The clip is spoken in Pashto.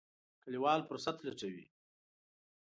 کلیوال فرصت لټوي.